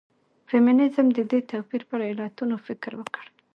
فيمنيزم د دې توپير پر علتونو فکر وکړ.